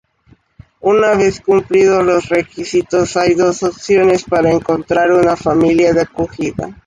Una vez cumplidos los requisitos, hay dos opciones para encontrar una familia de acogida.